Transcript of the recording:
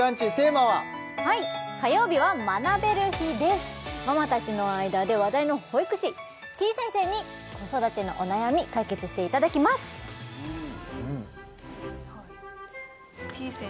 ママたちの間で話題の保育士てぃ先生に子育てのお悩み解決していただきますてぃ